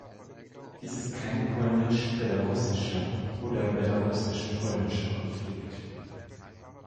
Dies ist kein polnisch-belarussischer oder belarussisch-polnischer Konflikt.